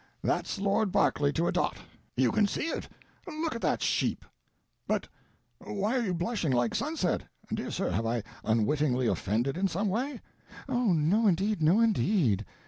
That's Lord Berkeley to a dot, you can see it—look at that sheep! But,—why are you blushing like sunset! Dear sir, have I unwittingly offended in some way?" "Oh, no indeed, no indeed.